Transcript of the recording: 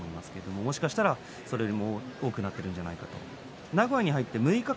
もしかしたらそれよりも多くなっているんじゃないか。